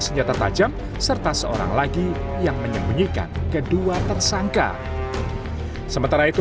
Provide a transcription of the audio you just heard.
senjata tajam serta seorang lagi yang menyembunyikan kedua tersangka sementara itu